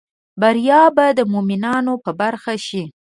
بریا به د مومینانو په برخه شي